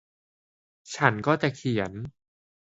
ฉันก็จะเขียน